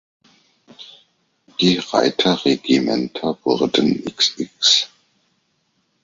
Die Reiter-Regimenter wurden xx.